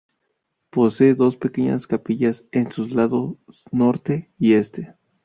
Posee dos pequeñas capillas en sus lados norte y este.